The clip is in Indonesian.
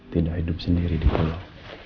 tidak hidup sendiri di pulau